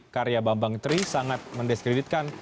karya bambang tri sangat mendiskreditkan